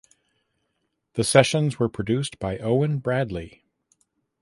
The sessions were produced by Owen Bradley.